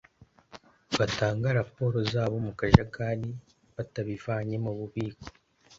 Batanga raporo zabo mu kajagari batabivanye mu bubiko